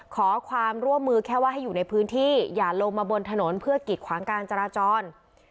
ขอความร่วมมือแค่ว่าให้อยู่ในพื้นที่อย่าลงมาบนถนนเพื่อกิดขวางการจราจร